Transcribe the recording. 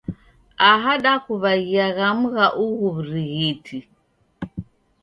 Aha dakuw'aghia ghamu gha ughu w'urighiti.